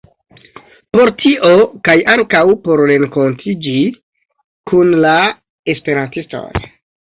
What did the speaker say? Por tio, kaj ankaŭ por renkontiĝi kun la esperantistoj